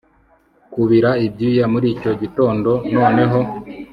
kubira ibyuya muricyo gitondo noneho